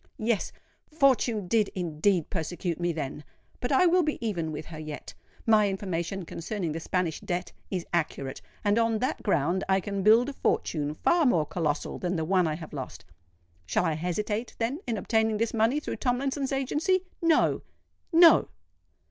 Yes—Fortune did indeed persecute me then! But I will be even with her yet. My information concerning the Spanish debt is accurate; and on that ground I can build a fortune far more colossal than the one I have lost. Shall I hesitate, then, in obtaining this money through Tomlinson's agency? No—no!"